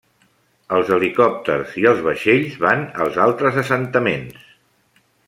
Els helicòpters i els vaixells van als altres assentaments.